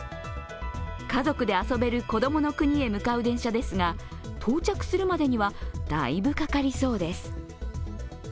家族で遊べるこどもの国へ向かう電車ですが到着するまでにはだいぶかかりそうです。